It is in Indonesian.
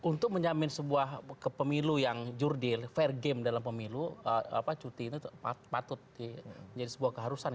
untuk menjamin sebuah pemilu yang jurdil fair game dalam pemilu cuti itu patut menjadi sebuah keharusan